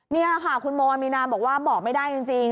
นี่ค่ะคุณโมอามีนาบอกว่าบอกไม่ได้จริง